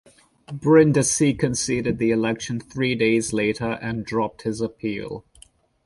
Brindisi conceded the election three days later and dropped his appeal.